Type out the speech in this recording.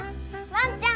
ワンちゃん！